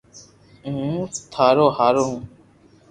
ھون ٿارو ھارو